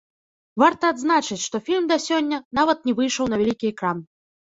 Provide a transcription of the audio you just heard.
Варта адзначыць, што фільм да сёння нават не выйшаў на вялікі экран.